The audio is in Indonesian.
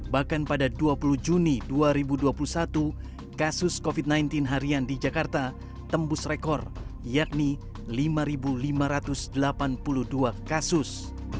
bahkan pada dua puluh juni dua ribu dua puluh satu kasus covid sembilan belas harian di jakarta tembus rekor yakni lima lima ratus delapan puluh dua kasus